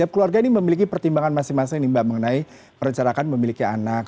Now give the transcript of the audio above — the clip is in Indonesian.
keluarga ini memiliki pertimbangan masing masing nih mbak mengenai merencanakan memiliki anak